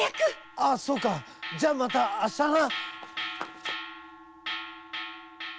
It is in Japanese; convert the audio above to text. ああそうかじゃまた明日な！